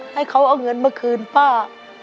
ให้เขาเอาเงินมาคืนป้า